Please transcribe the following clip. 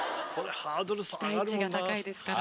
期待値が高いですから。